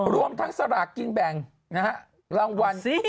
รวมทั้งสลากกินแบ่งนะฮะรางวัลสิ